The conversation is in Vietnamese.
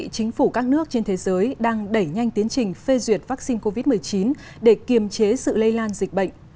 chính phủ các nước trên thế giới đang đẩy nhanh tiến trình phê duyệt vaccine covid một mươi chín để kiềm chế sự lây lan dịch bệnh